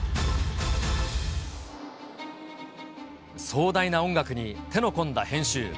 壮大な音楽に手の込んだ編集。